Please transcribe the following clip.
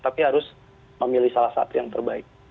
tapi harus memilih salah satu yang terbaik